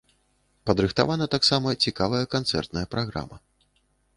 Падрыхтавана таксама цікавая канцэртная праграма.